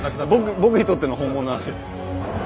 僕にとっての本物なんですよ。